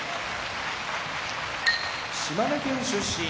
島根県出身